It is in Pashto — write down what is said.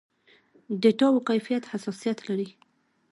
ډېټاوو کيفيت حساسيت لري.